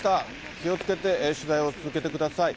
気をつけて取材を続けてください。